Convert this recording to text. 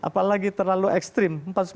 apalagi terlalu ekstrim